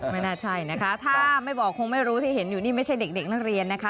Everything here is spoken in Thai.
ไม่น่าใช่นะคะถ้าไม่บอกคงไม่รู้ที่เห็นอยู่นี่ไม่ใช่เด็กนักเรียนนะคะ